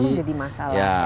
ini selalu jadi masalah ya